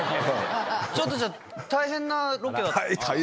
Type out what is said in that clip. ちょっとじゃあ大変なロケ？